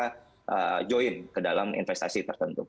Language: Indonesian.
untuk mereka join ke dalam investasi tertentu